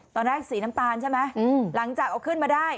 สีน้ำตาลใช่ไหมหลังจากเอาขึ้นมาได้